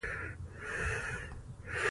بامیان د افغانستان د هیوادوالو لپاره ویاړ دی.